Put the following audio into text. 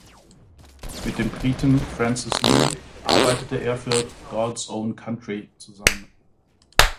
Mit dem Briten Francis Lee arbeitete er für "God’s Own Country" zusammen.